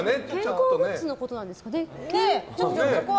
健康グッズのことなんですかね。